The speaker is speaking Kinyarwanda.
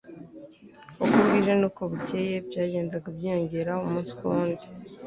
uko bwije n'uko bukeye byagendaga byiyongera umunsi ku wundi.